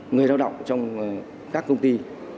người lao động trong các công ty